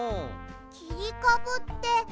きりかぶって。